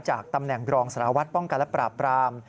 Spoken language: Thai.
จากตำแหน่งรองสารวัตรป้องกันและปราบปราม